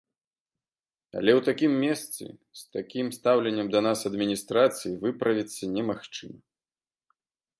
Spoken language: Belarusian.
Але ў такім месцы, з такім стаўленнем да нас адміністрацыі выправіцца немагчыма.